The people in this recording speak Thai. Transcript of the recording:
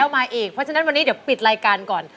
มาอีกเพราะฉะนั้นวันนี้เดี๋ยวปิดรายการก่อน